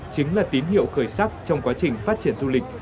chính là tín hiệu khởi sắc trong quá trình phát triển du lịch